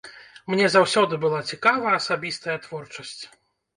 Мне заўсёды была цікава асабістая творчасць.